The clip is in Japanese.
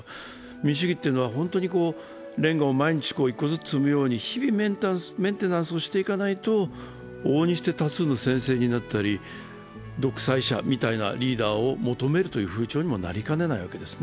民主主義ってのは、れんがを毎日積み重ねるように日々メンテナンスをしていかないと、往々にして多数の先制になったり、独裁者みたいなリーダーを求めるという風潮にもなりかねないわけです。